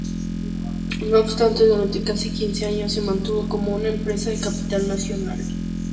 No obstante, durante casi quince años se mantuvo como una empresa de capital nacional.